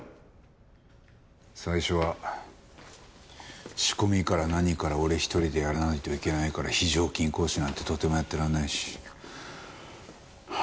最初は仕込みから何から俺一人でやらないといけないから非常勤講師なんてとてもやってられないし。